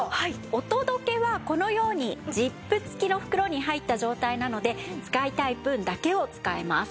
お届けはこのようにジップ付きの袋に入った状態なので使いたい分だけを使えます。